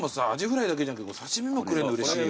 フライだけじゃなくて刺し身もくれんのうれしい。